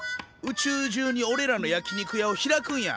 宇宙中におれらの焼き肉屋を開くんや！